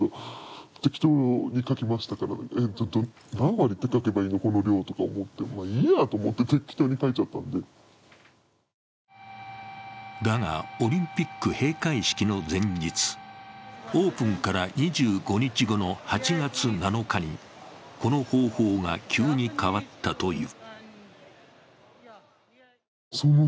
更に選手村の食堂で働いていた人物もだが、オリンピック閉会式の前日オープンから２５日後の８月７日にこの方法が急に変わったという。